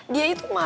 dia itu malas